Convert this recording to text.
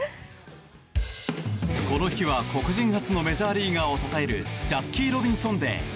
この日は黒人初のメジャーリーガーをたたえるジャッキー・ロビンソン・デー。